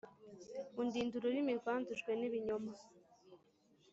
undinda ururimi rwandujwe n’ibinyoma,